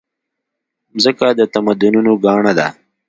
مځکه د تمدنونو ګاڼه ده.